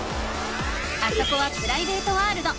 あそこはプライベートワールド。